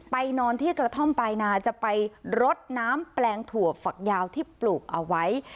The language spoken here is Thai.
นอนที่กระท่อมปลายนาจะไปรดน้ำแปลงถั่วฝักยาวที่ปลูกเอาไว้